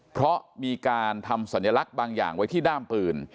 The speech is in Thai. เพราะมีการทำสัญลักษณ์บางอย่างไว้ที่ด้ามปืน